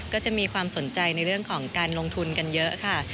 ก็จะมีความสนใจในเรื่องของการลงทุนกันเยอะค่ะ